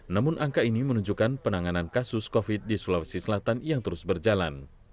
namun angka ini menunjukkan penanganan kasus covid di sulawesi selatan yang terus berjalan